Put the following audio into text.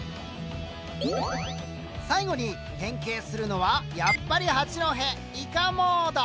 最後に変形するのはやっぱり八戸イカモード！